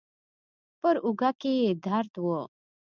پر اوږه کې يې درد و.